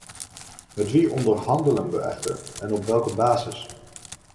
Met wie onderhandelen we echter en op welke basis?